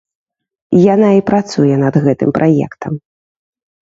Яна і працуе над гэтым праектам.